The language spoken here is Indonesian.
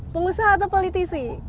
pengusaha atau politisi